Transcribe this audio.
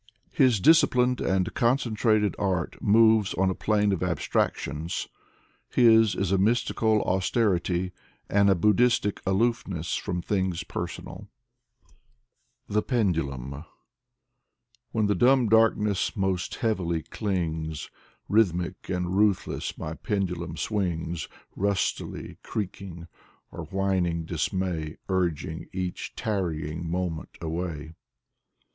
His disciplined and concentrated art moves on a plane of abstractions. His is a mystical auster ity and a Buddhistic aloofness from things personal. 109 no Yurgis Baltrushaiiis THE PENDULUM When toe dumb darkness most heavily dings, Rh>*thmic and ruthless my pendulum swings. Rustily creaking or whining dismay, Urging each tarrying moment away.